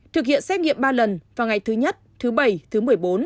thực hiện xét nghiệm ba lần vào ngày thứ nhất thứ bảy thứ một mươi bốn